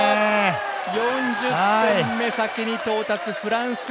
４０点目、先に到達、フランス。